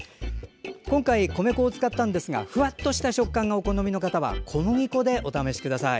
今回米粉を使ったんですがフワッとした食感がお好みの方は小麦粉でお試しください。